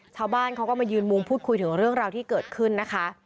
ชาวบ้านเขาก็มายืนมุมพูดคุยถึงเรื่องราวที่เกิดขึ้นนะคะ